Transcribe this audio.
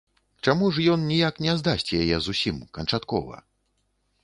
Чаму ж ён ніяк не здасць яе зусім, канчаткова?